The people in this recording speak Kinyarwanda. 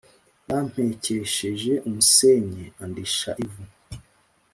Yampekenyesheje umusenyi, andisha ivu.